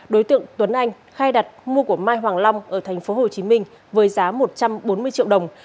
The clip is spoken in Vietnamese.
đối tượng tuấn anh khai đặt mua của mai hoàng long ở tp hcm với giá một trăm bốn mươi triệu đồng